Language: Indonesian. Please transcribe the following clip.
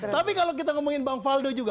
tapi kalau kita ngomongin bang faldo juga